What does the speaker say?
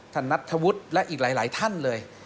นัทธวุฒิและอีกหลายท่านเลย